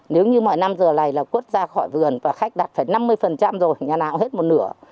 nếu như mọi năm giờ này là quất ra khỏi vườn và khách đặt phải năm mươi rồi nhà nào hết một nửa